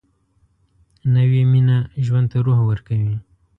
نوې مینه ژوند ته روح ورکوي